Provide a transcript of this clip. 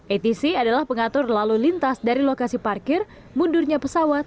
atc adalah pengatur lalu lintas dari lokasi parkir mundurnya pesawat